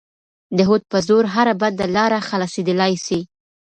د هوډ په زور هره بنده لاره خلاصېدلای سي.